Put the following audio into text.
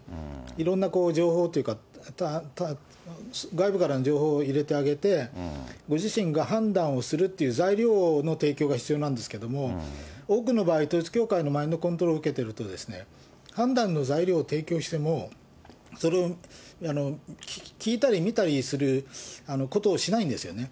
いろんな情報というか、外部からの情報を入れてあげて、ご自身が判断をするという材料の提供が必要なんですけれども、多くの場合、統一教会のマインドコントロールを受けてると、判断の材料を提供しても、それを聞いたり見たりすることをしないんですよね。